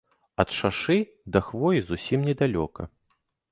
Ад шашы да хвоі зусім недалёка.